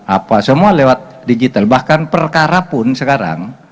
apa semua lewat digital bahkan perkara pun sekarang